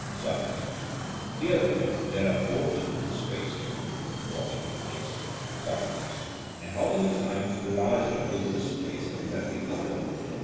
SOCRATES: Here, then, there are four equal spaces? BOY: Yes. SOCRATES: And how many times larger is this space than this other?